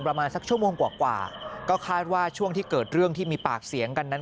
ประมาณสักชั่วโมงกว่าก็คาดว่าช่วงที่เกิดเรื่องที่มีปากเสียงกันนั้น